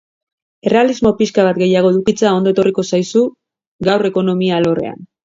Errealismo pixka bat gehiago edukitzea ondo etorriko zaizu gaur ekonomia alorrean.